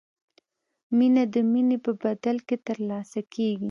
مینه د مینې په بدل کې ترلاسه کیږي.